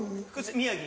宮城。